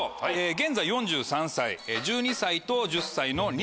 現在４３歳１２歳と１０歳の。